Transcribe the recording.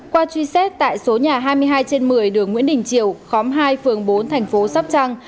qua truy xét tại số nhà hai mươi hai trên một mươi đường nguyễn đình triều khóm hai phường bốn thành phố sóc trăng